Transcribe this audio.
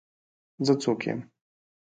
زه څوک یم؟